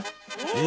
え！